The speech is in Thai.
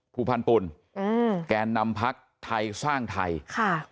ภูพันธ์ปุ่นอืมแกนนำพักไทยสร้างไทยค่ะ